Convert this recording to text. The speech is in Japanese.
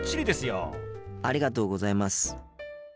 ありがとうございます。